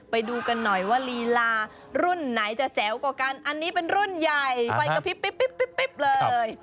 ไปดูกันหน่อยว่าลีลารุ่นไหนจะแจ๋วกว่ากันอันนี้เป็นรุ่นใหญ่ไฟกระพริบเลย